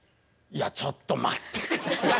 いやちょっと待っていや